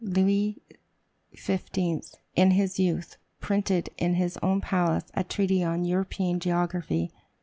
Louis XV. in his youth, printed in his own palace a "Treatise on European Geography."